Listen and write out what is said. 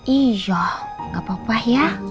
iya gak apa apa ya